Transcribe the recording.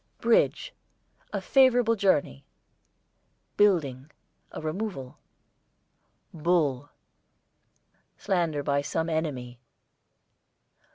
BRIDGE, a favourable journey. BUILDING, a removal. BULL, slander by some enemy.